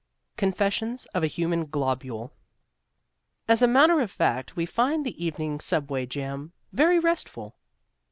CONFESSIONS OF A HUMAN GLOBULE As a matter of fact, we find the evening subway jam very restful.